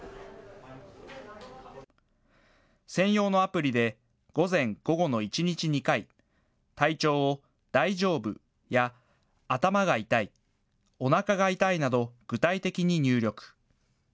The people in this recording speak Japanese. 専用のアプリで、午前、午後の１日２回、体調を大丈夫や、頭が痛い、おなかが痛いなど、具体的に入力。